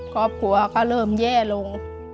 ครอบครัวก็เริ่มแย่ลง